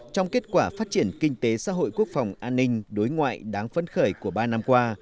trong kết quả phát triển kinh tế xã hội quốc phòng an ninh đối ngoại đáng phấn khởi của ba năm qua